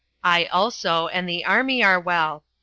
I also and the army are well.